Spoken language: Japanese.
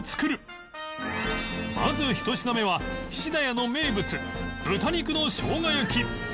まず１品目は菱田屋の名物豚肉の生姜焼き